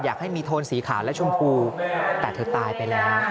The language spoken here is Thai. อยากให้มีโทนสีขาวและชมพูแต่เธอตายไปแล้ว